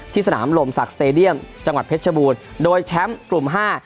สนามลมศักดิ์สเตดียมจังหวัดเพชรชบูรณ์โดยแชมป์กลุ่มห้า